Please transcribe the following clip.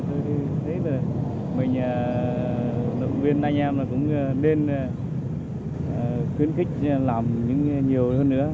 tôi thấy là mình động viên anh em cũng nên khuyến khích làm nhiều hơn nữa